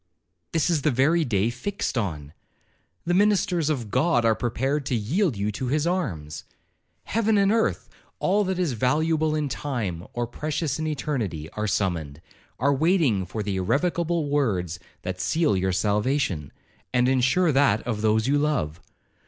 'This is the very day fixed on. The ministers of God are prepared to yield you to his arms. Heaven and earth,—all that is valuable in time, or precious in eternity, are summoned, are waiting for the irrevocable words that seal your salvation, and ensure that of those you love.